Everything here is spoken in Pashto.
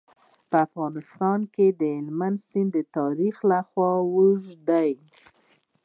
په افغانستان کې د هلمند سیند تاریخ خورا اوږد دی.